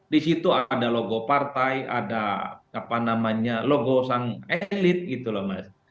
di situ ada logo partai ada apa namanya logo sang elit gitu loh mas